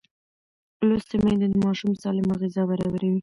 لوستې میندې د ماشوم سالمه غذا برابروي.